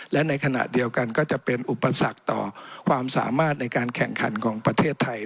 และในขณะเดียวกันก็จะเป็นอุปสรรคต่อความสามารถในการแข่งขันของประเทศไทย